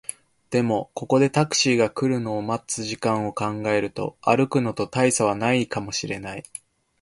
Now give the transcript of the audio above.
でも、ここでタクシーが来るのを待つ時間を考えると、歩くのと大差はないかもしれない